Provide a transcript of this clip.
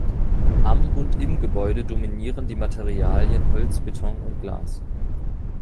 Am und im Gebäude dominieren die Materialien Holz, Beton und Glas.